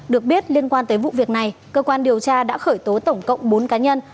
được biết liên quan tới vụ việc này cơ quan điều tra đã khởi tố tổng cộng bốn cá nhân